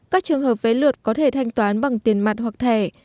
các trường hợp vé lượt có thể thanh toán bằng tiền mặt hoặc thẻ